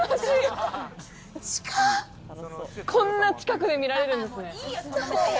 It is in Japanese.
こんな近くで見られるんですね。